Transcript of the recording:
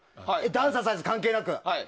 ダンササイズ関係なく。